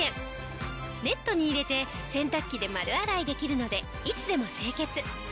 ネットに入れて洗濯機で丸洗いできるのでいつでも清潔。